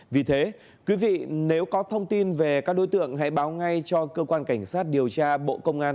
vì thế quý vị nếu có thông tin về các đối tượng hãy báo ngay cho cơ quan cảnh sát điều tra bộ công an